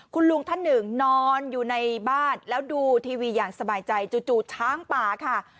คุณลุงท่านหนึ่งนอนอยู่ในบ้านแล้วดูทีวีอย่างสบายใจจู่ช้างป่าค่ะ